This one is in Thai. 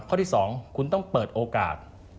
ข้อที่๒คุณต้องเปิดโอกาส